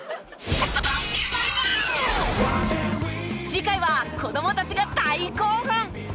次回は子供たちが大興奮！